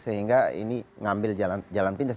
sehingga ini ngambil jalan pintas